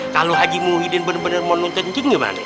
kalo haji muhyiddin bener bener mau nuntun cing gimana